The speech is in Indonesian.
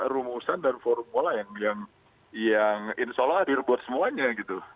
rumusan dan formula yang insya allah hadir buat semuanya gitu